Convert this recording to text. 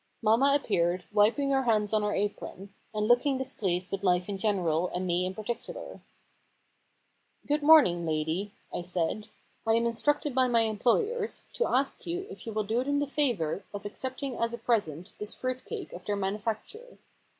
Mamma ap peared, wiping her hands on her apron, and looking displeased with life in general and me in .particular. Good morning, lady," I said. " I am instructed by my employers to ask you if you will do them the favour of accepting as a present this fruit cake of their manufacture.